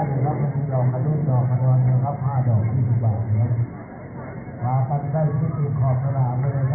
ครั้งวันสองครั้งวันเที่ยวครับผ้าดอกอีกสิบหวานเครื่อง